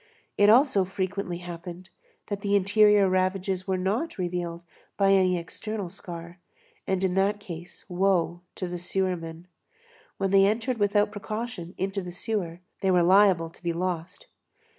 It also frequently happened, that the interior ravages were not revealed by any external scar, and in that case, woe to the sewermen. When they entered without precaution into the sewer, they were liable to be lost.